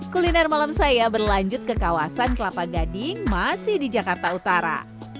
kuliner malam saya berlanjut ke kawasan kelapa gading masih di jakarta utara